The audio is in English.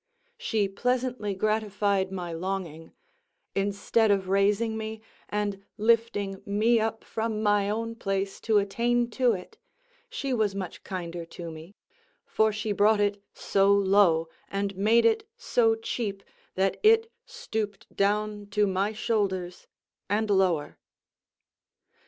She pleasantly gratified my longing; instead of raising me, and lifting me up from my own place to attain to it, she was much kinder to me; for she brought it so low, and made it so cheap, that it stooped down to my shoulders, and lower.